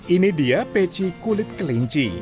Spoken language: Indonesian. ini dia peci kulit kelinci